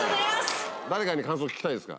誰かに感想聞きたいですか？